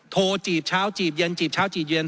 จีบเช้าจีบเย็นจีบเช้าจีบเย็น